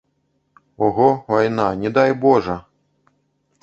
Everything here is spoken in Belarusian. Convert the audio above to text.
Ого, вайна, не дай божа!